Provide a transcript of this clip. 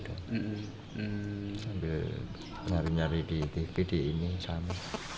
sambil nyari nyari di tv di ini di sana